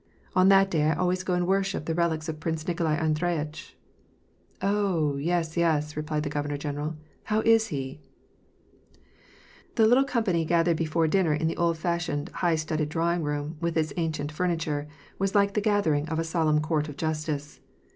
" On that day I always go and worship the relics of Prince Nikolai Andre yitch." " Oh, yes, yes," replied the governor general. " How is he ?" The little company gathered before dinner in the old fash ioned, high studded drawing room, with its ancient furniture, was like the gathering of a solemn court of justice.